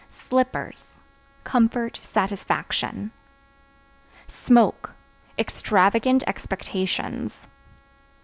Slippers Comfort, satisfaction. Smoke Extravagant expectations.